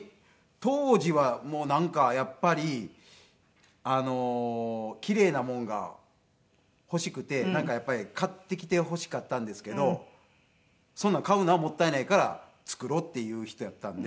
当時はもうなんかやっぱり奇麗なもんが欲しくてなんかやっぱり買ってきてほしかったんですけどそんなん買うのはもったいないから作ろうっていう人やったんで。